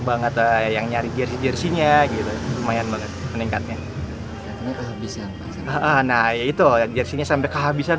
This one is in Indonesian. banget yang nyari jersi jersinya gitu lumayan banget meningkatnya kehabisan nah ya itu jersinya sampai kehabisan